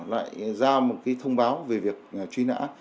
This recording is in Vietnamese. lại ra một thông báo về việc truy nã